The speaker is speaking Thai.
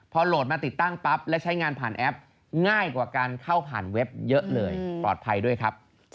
พอโหลดมาติดตั้งปั๊บและใช้งานผ่านแอปง่ายกว่าการเข้าผ่านเว็บเยอะเลยปลอดภัยด้วยครับ